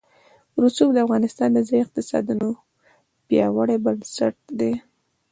رسوب د افغانستان د ځایي اقتصادونو یو پیاوړی بنسټ دی.